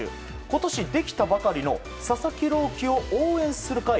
今年できたばかりの佐々木朗希選手を応援する会。